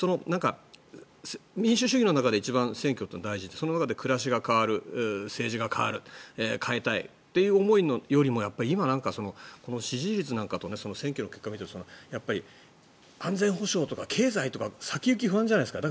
民主主義の中で一番選挙というのは大事その中で暮らしが変わる政治が変わる変えたいという思いよりも今、この支持率なんかと選挙の結果を見ていると安全保障とか経済とか先行きが不安じゃないですか。